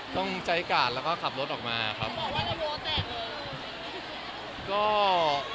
ต้องใช้การแล้วก็ขับรถออกมาครับบอกว่าในรถแตกแล้ว